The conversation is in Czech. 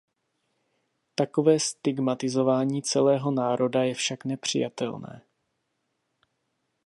Takové stigmatizování celého národa je však nepřijatelné.